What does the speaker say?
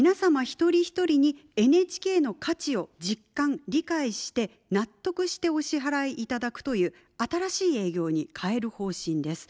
一人一人にＮＨＫの価値を実感・理解して納得してお支払いいただくという新しい営業に変える方針です。